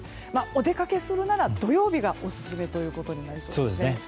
お出かけするなら土曜日がオススメとなりそうです。